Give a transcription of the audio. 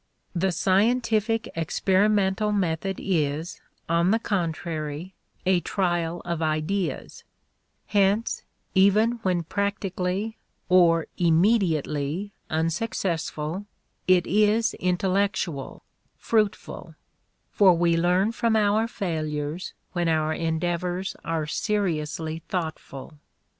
The scientific experimental method is, on the contrary, a trial of ideas; hence even when practically or immediately unsuccessful, it is intellectual, fruitful; for we learn from our failures when our endeavors are seriously thoughtful.